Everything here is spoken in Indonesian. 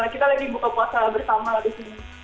kita lagi buka puasa bersama disini